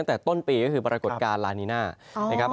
ตั้งแต่ต้นปีก็คือปรากฏการณ์ลานีน่านะครับ